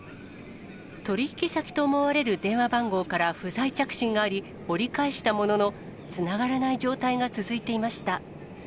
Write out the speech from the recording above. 取り引き先と思われる電話番号から不在着信があり、折り返したものの、つながらない状態が続いていました。